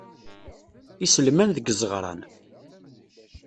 Iselman deg izeɣṛan.